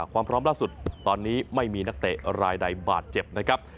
ความพร้อมล่าสุดตอนนี้ไม่มีนักเตะรายใดบาดเจ็บนะครับ